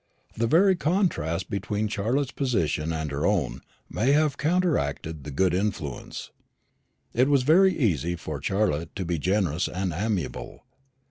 The very contrast between Charlotte's position and her own may have counteracted the good influence. It was very easy for Charlotte to be generous and amiable.